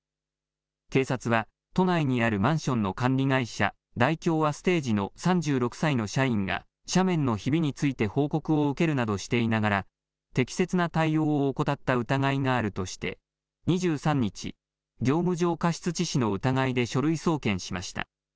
警察は都内にあるマンションの管理会社、大京アステージの３６歳の社員が斜面のひびについて報告を受けるなどしていながら適切な対応を怠った疑いがあるとして２３日、業務上過失致死の疑いで書類送検しました。